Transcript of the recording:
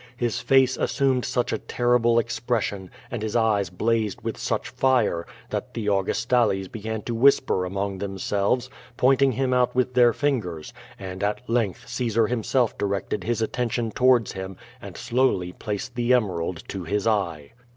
His face assumed such a terrible expression, and his eyes blazed with such fire, that the Augustales began to whisper among themselves, pointing him out with their fingers, and at length Caesar himself directed his attention towards him and slowly placed the emerald to his eve.